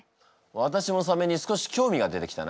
私もサメに少し興味が出てきたな。